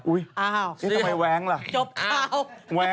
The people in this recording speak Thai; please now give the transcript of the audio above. อุ๊ยทำไงแว้งละจบข่าว